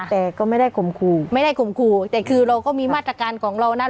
แต่ก็ไม่ได้ข่มขู่ไม่ได้ข่มขู่แต่คือเราก็มีมาตรการของเรานะ